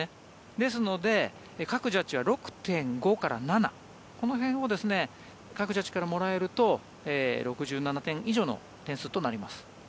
ですので各ジャッジは６．５から７この辺を各ジャッジからもらえると６７点以上の点数となります。